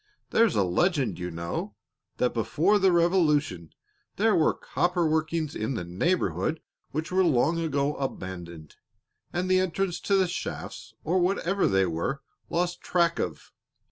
There's a legend, you know, that before the Revolution there were copper workings in the neighborhood which were long ago abandoned and the entrance to the shafts, or whatever they were, lost track of.